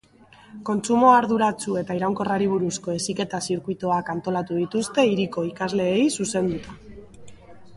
Kontsumo arduratsu eta iraunkorrari buruzko heziketa zirkuituak antolatu dituzte hiriko ikasleei zuzenduta.